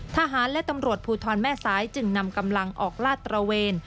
ทหารและตำรวจภูทรแม่สายจึงนำกำลังออกลาดตระเวน